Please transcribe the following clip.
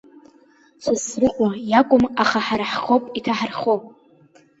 Сасрыҟәа иакәым, аха ҳара ҳхоуп иҭаҳархо!